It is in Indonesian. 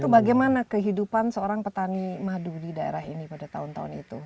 itu bagaimana kehidupan seorang petani madu di daerah ini pada tahun tahun itu